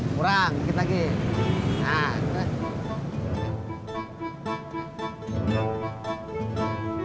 kurang dikit lagi